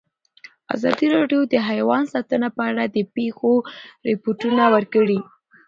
ازادي راډیو د حیوان ساتنه په اړه د پېښو رپوټونه ورکړي.